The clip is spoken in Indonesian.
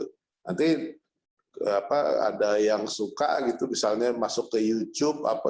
nanti ada yang suka gitu misalnya masuk ke youtube